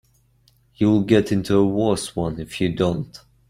You'll get into a worse one if you don't.